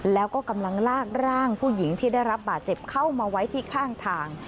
แล้วก็กำลังลากร่างผู้หญิงที่ได้รับบาดเจ็บเข้ามาไว้ที่ข้างทาง